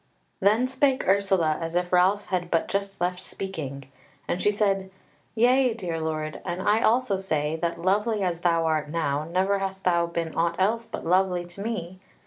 Then spake Ursula as if Ralph had but just left speaking; and she said: "Yea, dear lord, and I also say, that, lovely as thou art now, never hast thou been aught else but lovely to me.